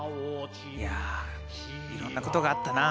いやいろんなことがあったな。